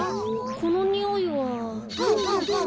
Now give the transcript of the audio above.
このにおいは。